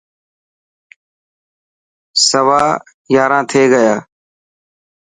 سوا ياران ٿي گيا.